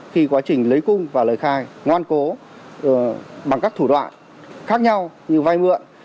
khi quá trình lấy cung và lời khai ngoan cố bằng các thủ đoạn khác nhau như vay mượn